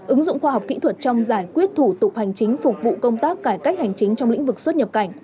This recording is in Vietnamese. ứng dụng khoa học kỹ thuật trong giải quyết thủ tục hành chính phục vụ công tác cải cách hành chính trong lĩnh vực xuất nhập cảnh